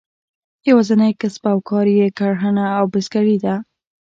یوازینی کسب او کار یې کرهڼه او بزګري ده.